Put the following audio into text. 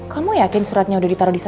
kamu yakin suratnya sudah ditaruh di sana